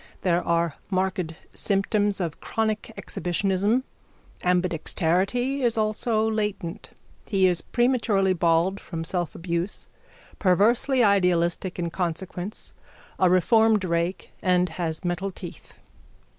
There are marked symptoms of chronic exhibitionism. Ambidexterity is also latent. He is prematurely bald from selfabuse, perversely idealistic in consequence, a reformed rake, and has metal teeth.